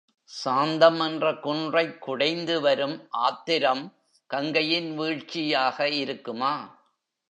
சாந்தம் என்ற குன்றைக் குடைந்து வரும் ஆத்திரம் கங்கையின் வீழ்ச்சியாக இருக்குமா?